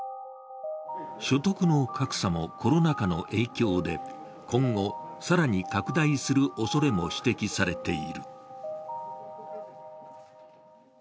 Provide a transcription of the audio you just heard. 所得の格差もコロナ禍の影響で今後、更に拡大するおそれも指摘されている。